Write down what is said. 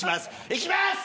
いきます。